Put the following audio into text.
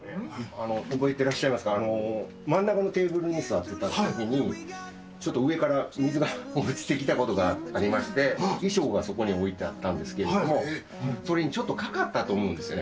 覚えてらっしゃいますか、真ん中のテーブルに座ってたときに、ちょっと上から、水が漏れてきたことがありまして、衣装がそこに置いてあったんですけども、それにちょっとかかったと思うんですよね。